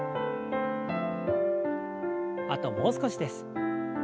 あともう少しです。